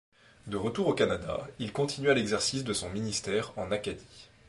De retour au Canada, il continua l'exercice de son ministère en Acadie.